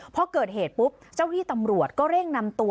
พอเกิดเหตุปุ๊บเจ้าที่ตำรวจก็เร่งนำตัว